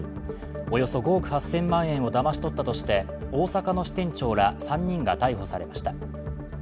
およそ５億８０００万円をだまし取ったとして大阪の支店長ら３人が逮捕されました。